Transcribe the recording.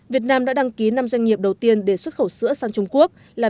việt nam đã đăng ký năm doanh nghiệp đầu tiên để xuất khẩu sữa sang trung quốc là